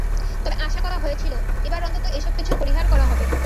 তবে আশা করা হয়েছিল, এবার অন্তত এসব কিছু পরিহার করা হবে।